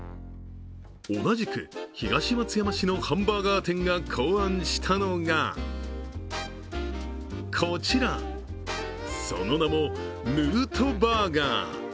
同じく東松山市のハンバーガー店が考案したのがこちら、その名もヌートバーガー。